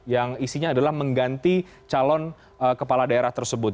yang isinya adalah mengganti calon kepala daerah tersebut